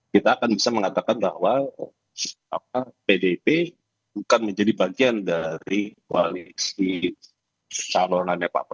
kita akan bisa mengatakan bahwa pdip bukan menjadi bagian dari koalisi calonannya pak prabowo